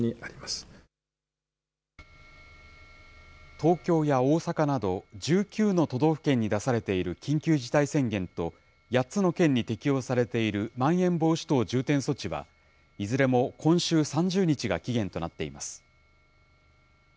東京や大阪など１９の都道府県に出されている緊急事態宣言と８つの県に適用されているまん延防止等重点措置は、いずれも今週３０日が期限となっています。